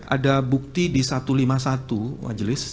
ada bukti di satu ratus lima puluh satu majelis